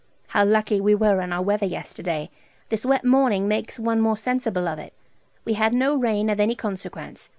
How lucky we were in our weather yesterday! This wet morning makes one more sensible of it. We had no rain of any consequence.